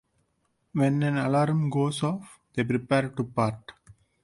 When an alarm goes off, they prepare to part.